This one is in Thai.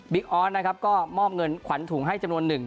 ออสนะครับก็มอบเงินขวัญถุงให้จำนวนหนึ่ง